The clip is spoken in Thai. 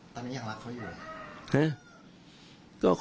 ตอนนี้ยังรักเขาอยู่